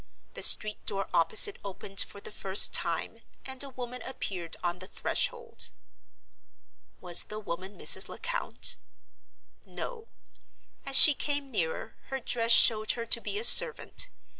The street door opposite opened for the first time, and a woman appeared on the threshold. Was the woman Mrs. Lecount? No. As she came nearer, her dress showed her to be a servant.